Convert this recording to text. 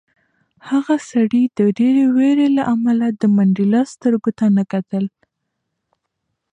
هغه سړي د وېرې له امله د منډېلا سترګو ته نه کتل.